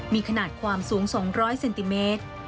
มีขนาดความสูง๒๐๐เซนติเมตร